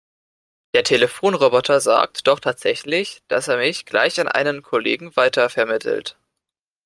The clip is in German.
Der Telefonroboter sagt doch tatsächlich, dass er mich gleich an einen Kollegen weitervermittelt.